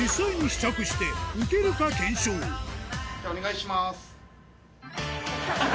じゃあお願いします。